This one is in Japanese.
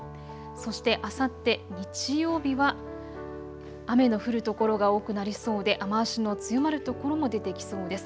そしてあさって日曜日は雨の降る所が多くなりそうで雨足の強まる所も出てきそうです。